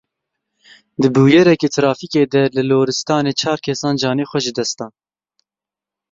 Di bûyereke trafîkê de li Loristanê çar kesan canê xwe ji dest dan.